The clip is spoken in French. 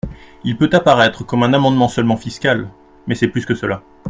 Il peut apparaître comme un amendement seulement fiscal, mais c’est plus que cela.